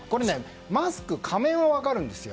マスク、仮面は分かるんですよ。